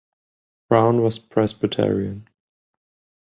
Brown was Presbyterian.